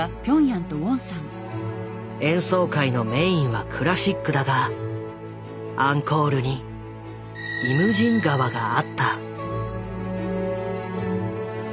演奏会のメインはクラシックだがアンコールに「イムジン河」があった。